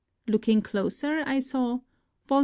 Looking closer, I saw " Vol.